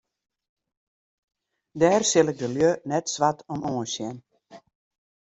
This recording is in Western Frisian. Dêr sil ik de lju net swart om oansjen.